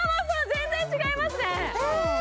全然違いますねえ！？